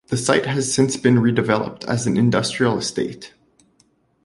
The site has since been redeveloped as an industrial estate.